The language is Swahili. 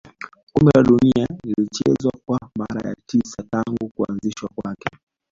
kombe la dunia lilichezwa kwa mara ya tisa tangu kuanzishwa kwake